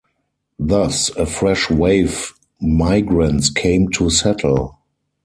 Thus a fresh wave migrants came to settle.